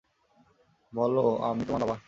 বলো আমি তোমার বাবা।